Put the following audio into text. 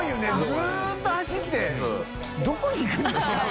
ずっと走ってどこに行くんですか？」